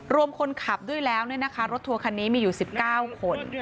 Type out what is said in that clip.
รวมคนขับด้วยแล้วรถทัวร์คันนี้มีอยู่๑๙คน